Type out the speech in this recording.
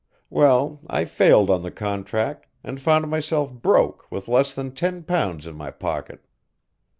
Well, I failed on the contract and found myself broke with less than ten pounds in my pocket.